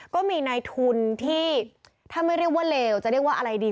ก็มีนายทุนที่ถ้าไม่เรียกว่าเลวจะเรียกว่าอะไรดี